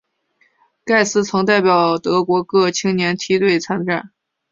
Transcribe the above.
盖斯曾代表德国各青年梯队参战。